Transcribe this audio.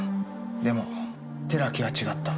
でも寺木は違った。